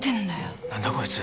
何だこいつ。